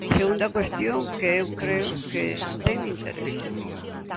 Segunda cuestión que eu creo que ten interese.